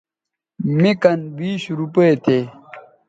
مے کن بیش روپے تھے